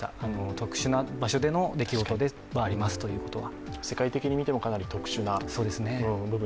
特殊な場所での出来事ではありますとは。